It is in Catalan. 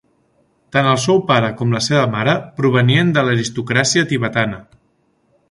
Tant el seu pare com la seva mare provenien de l'aristocràcia tibetana.